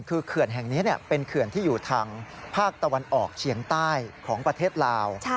คือเขื่อนแห่งนี้เป็นเขื่อนที่อยู่ทางภาคตะวันออกเฉียงใต้ของประเทศลาว